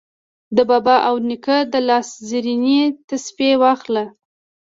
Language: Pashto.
د بابا او د نیکه د لاس زرینې تسپې واخله